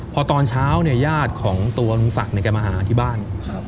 พอตอนเช้าเนี่ยญาติของตัวลุงศักดิ์แกมาหาที่บ้าน